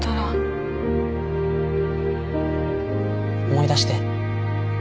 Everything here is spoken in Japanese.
思い出して。